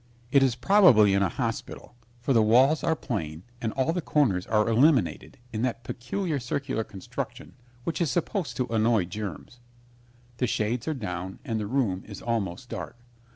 It is probably in a hospital, for the walls are plain and all the corners are eliminated in that peculiar circular construction which is supposed to annoy germs. The shades are down and the room is almost dark.